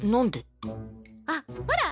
あっほら